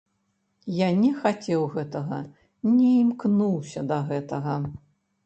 Я не хацеў гэтага, не імкнуўся да гэтага.